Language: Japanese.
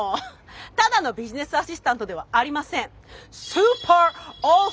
ただのビジネスアシスタントではありません。